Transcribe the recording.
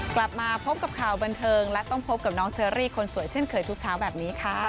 กลับมาพบกับข่าวบันเทิงและต้องพบกับน้องเชอรี่คนสวยเช่นเคยทุกเช้าแบบนี้ค่ะ